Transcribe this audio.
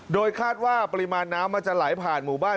โดยคาดว่าปริมาณน้ำมันจะไหลผ่านหมู่บ้าน